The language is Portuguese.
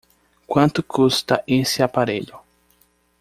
Quanto custa esse aparelho?